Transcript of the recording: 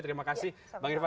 terima kasih bang irfan